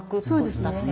そうですね。